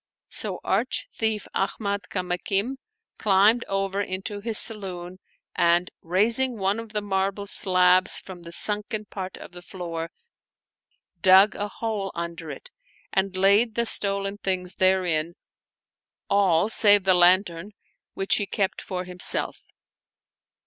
So arch thief Ahmad Kamakim climbed over into his saloon and, raising one of the marble slabs from the sunken part of the floor, dug a hole under it and laid the stolen things therein, all save the lantern, which he kept for himself.